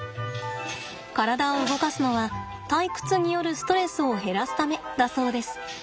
体を動かすのは退屈によるストレスを減らすためだそうです。